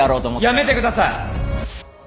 やめてください！